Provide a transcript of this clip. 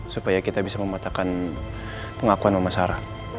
supaya kita bisa mematahkan pengakuan mama sarah